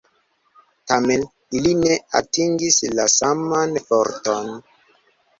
Tamen, ili ne atingis la saman forton.